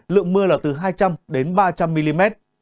lượng mưa là từ hai trăm linh đến ba trăm linh mm